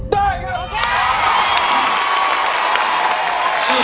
เพลงที่๑